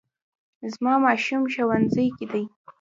زما ماشوم ښوونځي کې دی